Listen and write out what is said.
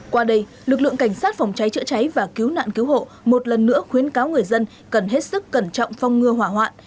qua đây lực lượng cảnh sát phòng cháy chữa cháy và cứu nạn cứu hộ một lần nữa khuyến cáo người dân cần hết sức cẩn trọng phong ngừa hỏa hoạn